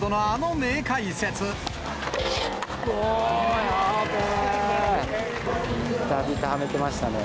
ビッタビタはめてましたね。